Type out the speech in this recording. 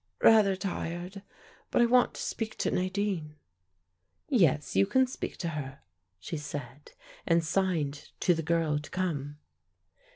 "Rather tired. But I want to speak to Nadine." "Yes, you can speak to her," she said and signed to the girl to come.